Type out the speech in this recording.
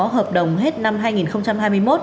hợp đồng hết năm hai nghìn hai mươi một